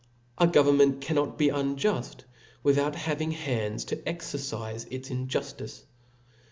•A government cannot be unjuft, without having hands to exencife its injuftice.